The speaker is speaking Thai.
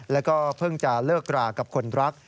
แล้วก็เพิ่งจะเลิกรากับคนรัก